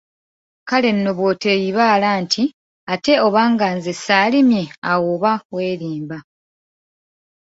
Kale nno bw'oteeyibaala nti ate obanga nze saalimye awo oba weerimba!